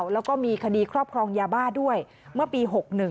แล้วก็มีคดีครอบครองยาบ้าด้วยเมื่อปี๖๑